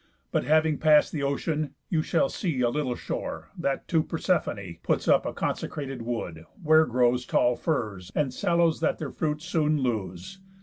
But, having past the ocean, you shall see A little shore, that to Persephoné Puts up a consecrated wood, where grows Tall firs, and sallows that their fruits soon lose.